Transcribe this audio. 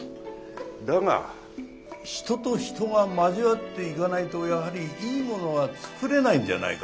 だが人と人が交わっていかないとやはりいいものは作れないんじゃないかと。